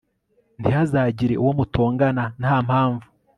ntihazagire uwo mutongana nta mpamvu